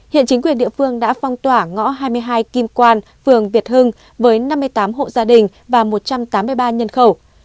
hiện chính quyền địa phương đã phong tỏa ngõ hai mươi hai kim quan phường việt hưng với năm mươi tám hộ gia đình và một trăm tám mươi ba nhân khẩu